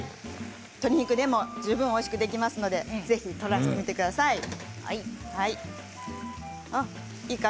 鶏肉でも十分おいしくできますのでぜひトライしてみてください。